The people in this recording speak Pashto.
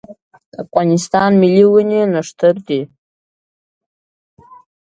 د افغانستان ملي ونې نښتر دی